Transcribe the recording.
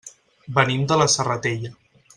Venim de la Serratella.